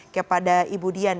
kepada ibu dian